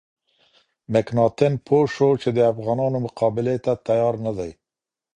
مکناتن پوه شو چې د افغانانو مقابلې ته تیار نه دی.